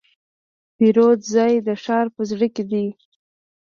د پیرود ځای د ښار په زړه کې دی.